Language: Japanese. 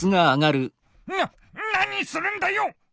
な何するんだよ！